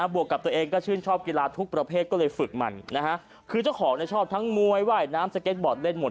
บวกกับตัวเองก็ชื่นชอบกีฬาทุกประเภทก็เลยฝึกมันจุดน้ำสเก็ตบอร์ดเล่นหมด